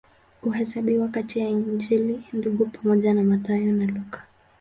Huhesabiwa kati ya Injili Ndugu pamoja na Mathayo na Luka.